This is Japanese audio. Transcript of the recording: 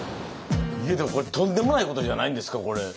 いやでもこれとんでもないことじゃないんですかこれ。